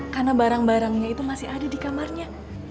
karena barang barangnya itu masih ada di kamarnya